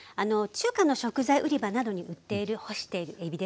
中華の食材売り場などに売っている干しているえびですね。